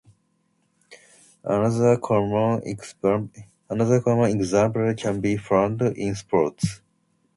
Another common example can be found in sports.